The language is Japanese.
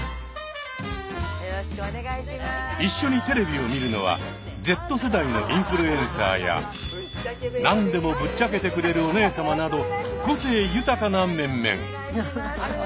一緒にテレビを見るのはＺ世代のインフルエンサーや何でもぶっちゃけてくれるおねえさまなど個性豊かな面々。